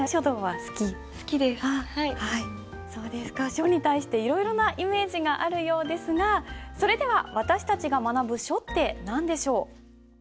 書に対していろいろなイメージがあるようですがそれでは私たちが学ぶ書って何でしょう？